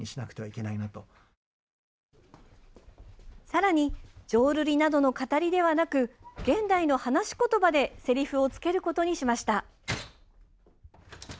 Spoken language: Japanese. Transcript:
さらに浄瑠璃などの語りではなく現代の話し言葉でせりふをつけることにしました。